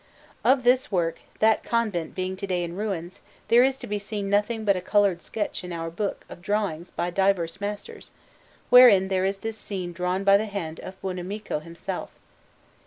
Of this work, that convent being to day in ruins, there is to be seen nothing but a coloured sketch in our book of drawings by diverse masters, wherein there is this scene drawn by the hand of Buonamico himself.